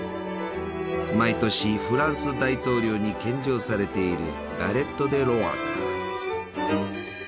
毎年フランス大統領に献上されているガレット・デ・ロワだ。